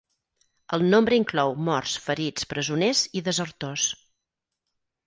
El nombre inclou morts, ferits, presoners i desertors.